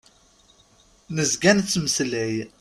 Nezga nettmeslay.